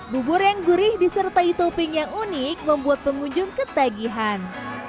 bubur yang gurih disertai topping yang unik membuat pengunjung ketagihan